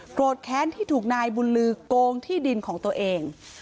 แค้นที่ถูกนายบุญลือโกงที่ดินของตัวเอง